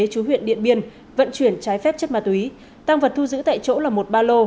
chú huyện điện biên vận chuyển trái phép chất ma túy tăng vật thu giữ tại chỗ là một ba lô